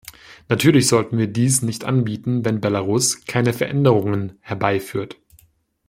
Natürlich sollten wir dies nicht anbieten, wenn Belarus keine Veränderungen herbeiführt.